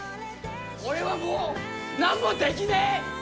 俺はもう、なんもできねえ。